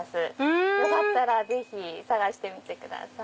よかったら探してみてください。